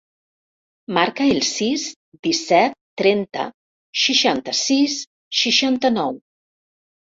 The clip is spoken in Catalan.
Marca el sis, disset, trenta, seixanta-sis, seixanta-nou.